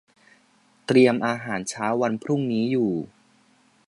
เตรียมอาหารเช้าวันพรุ่งนี้อยู่